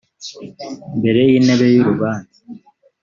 imbere y intebe y urubanza